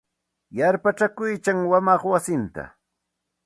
Yarpachakuykan wamaq wasinta.